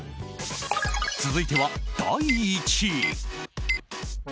続いては第１位。